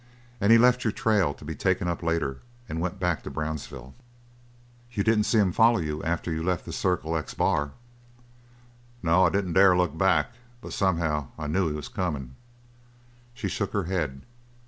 And he left your trail to be taken up later and went back to Brownsville. You didn't see him follow you after you left the Circle X Bar?" "No. I didn't dare look back. But somehow I knew he was comin'." She shook her head.